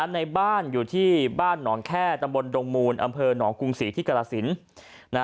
ในบ้านอยู่ที่บ้านหนองแค่ตำบลดงมูลอำเภอหนองกรุงศรีที่กรสิน